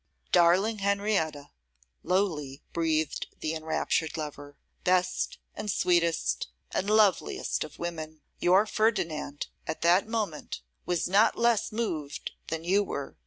'Darling Henrietta,' lowly breathed the enraptured lover, 'best, and sweetest, and loveliest of women, your Ferdinand, at that moment, was not less moved than you were.